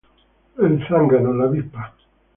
El Zángano, la Avispa